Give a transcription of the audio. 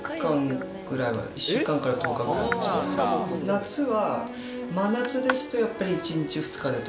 夏は真夏ですとやっぱり１日２日で溶けます。